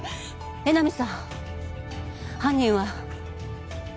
江波さん犯人は。